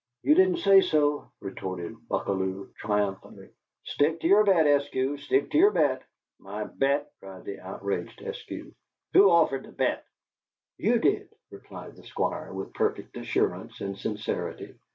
"You didn't say so," retorted Buckalew, triumphantly. "Stick to your bet, Eskew, stick to your bet." "My bet!" cried the outraged Eskew. "Who offered to bet?" "You did," replied the Squire, with perfect assurance and sincerity.